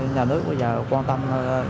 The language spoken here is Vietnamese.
nhà nước bây giờ quan tâm